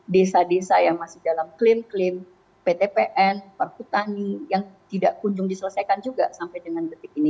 desa desa yang masih dalam klaim klaim ptpn perhutani yang tidak kunjung diselesaikan juga sampai dengan detik ini